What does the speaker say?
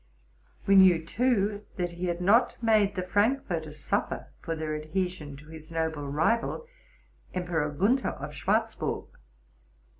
We knew, too, that he had not made the Frankforters suffer for their adhe sion to his noble rival, Emperor Gunther of Schwarzburg.